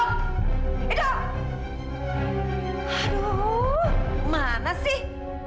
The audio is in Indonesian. aduh mana sih